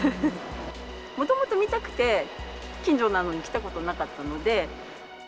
もともと見たくて、近所なのに来たことなかったので。